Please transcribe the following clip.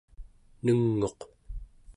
neng'uq